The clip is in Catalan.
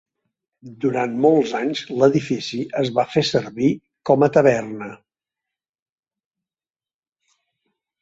Durant molts d'anys, l'edifici es va fer servir com a taverna.